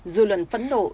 dư luận phẫn nộ